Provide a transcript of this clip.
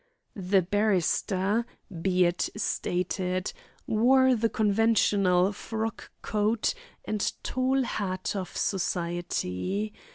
The barrister, be it stated, wore the conventional frock coat and tall hat of society.